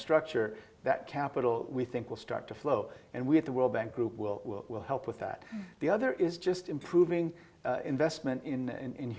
memiliki kesempatan untuk melakukan apa saja yang mereka inginkan